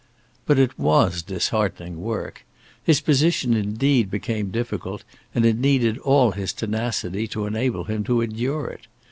But it was disheartening work. His position indeed became difficult, and it needed all his tenacity to enable him to endure it.